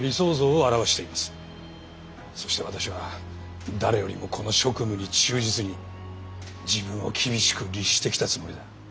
そして私は誰よりもこの職務に忠実に自分を厳しく律してきたつもりだ。